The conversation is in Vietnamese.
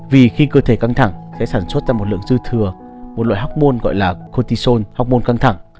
vì khi cơ thể căng thẳng sẽ sản xuất ra một lượng dư thừa một loại hormôn gọi là cortisol hormôn căng thẳng